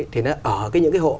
thì nó ở những hộ